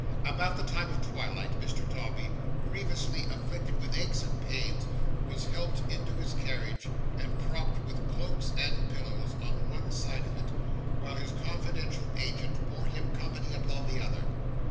About the time of twilight, Mr Dombey, grievously afflicted with aches and pains, was helped into his carriage, and propped with cloaks and pillows on one side of it, while his confidential agent bore him company upon the other.